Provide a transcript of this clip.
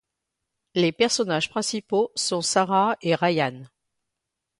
Les personnages principaux sont Sarah et Ryan.